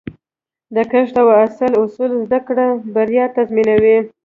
د کښت او حاصل اصول زده کړه، بریا تضمینوي.